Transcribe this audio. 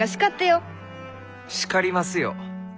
叱りますよ。